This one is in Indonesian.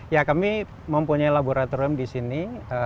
ya kami mempunyai laboratorium disini